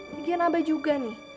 mungkin abah juga nih